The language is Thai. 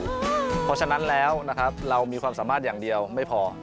เพราะฉะนั้นแล้วนะครับเรามีความสามารถอย่างเดียวไม่พอ